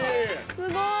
すごーい！